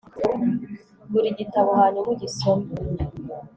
gura igitabo hanyuma ugisome